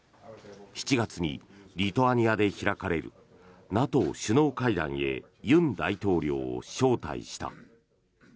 ７月にリトアニアで開かれるＮＡＴＯ首脳会談へ尹大統領を招待した。